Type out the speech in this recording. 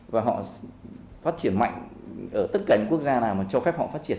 và họ phát triển mạnh ở tất cả những quốc gia nào mà cho phép họ phát triển